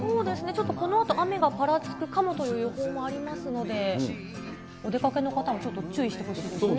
ちょっとこのあと雨がぱらつくかもという予報がありますので、お出かけの方もちょっと注意してほしいですね。